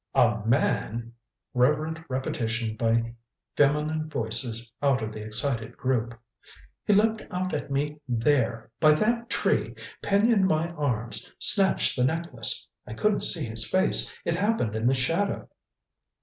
"A man!" Reverent repetition by feminine voices out of the excited group. "He leaped out at me there by that tree pinioned my arms snatched the necklace. I couldn't see his face. It happened in the shadow."